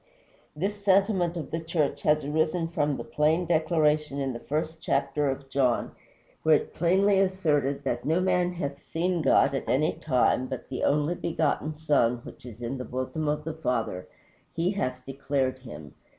This sentiment of the church has arisen from the plain declaration in the first chapter of John, where it is plainly asserted that "no man hath seen God at any time, but the only begotten Son, which is in the bosom of the Father, he hath declared him."